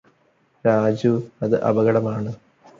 രാജു അത് അപകടമാണ്